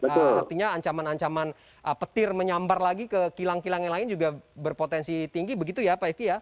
artinya ancaman ancaman petir menyambar lagi ke kilang kilang yang lain juga berpotensi tinggi begitu ya pak eki ya